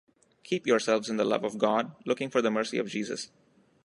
Keep yourselves in the love of God, looking for the mercy of Jesus